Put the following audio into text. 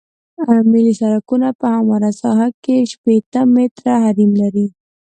ملي سرکونه په همواره ساحه کې شپیته متره حریم لري